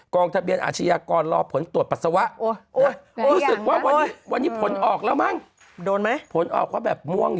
ทะเบียนอาชญากรรอผลตรวจปัสสาวะ